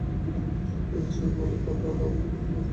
উপরে চেয়ে কখনো বলি কথা দাও, কখনো বলি সুর দাও।